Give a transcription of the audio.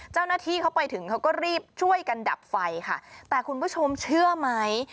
เจ้าหน้าที่เขาไปถึงเขาก็รีบช่วยกันดับไฟค่ะแต่คุณผู้ชมเชื่อไหม